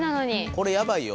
これやばいよ。